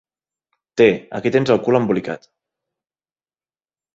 Té, aquí tens el cul embolicat.